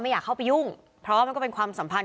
อยากเข้าไปยุ่งเพราะว่ามันก็เป็นความสัมพันธ